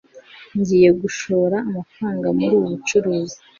ngiye gushora amafaranga muri ubu bucuruzi